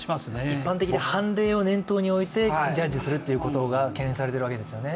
一般的に判例を念頭においてジャッジすることが懸念されているわけですね